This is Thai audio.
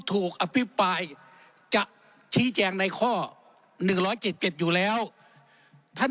ครับครับครับครับครับครับครับครับครับครับครับครับครับครับครับ